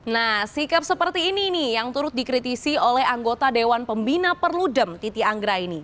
nah sikap seperti ini nih yang turut dikritisi oleh anggota dewan pembina perludem titi anggra ini